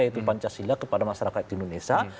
yaitu pancasila kepada masyarakat di indonesia